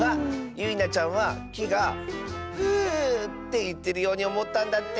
ゆいなちゃんはきが「ふっ」っていってるようにおもったんだって。